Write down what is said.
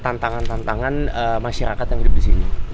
tantangan tantangan masyarakat yang hidup disini